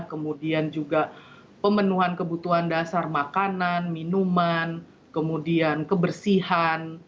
kemudian juga pemenuhan kebutuhan dasar makanan minuman kemudian kebersihan